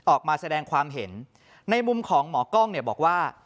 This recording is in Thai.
ออกมาแสดงความเห็นในมุมของหมอกล้องเนี่ยบอกว่า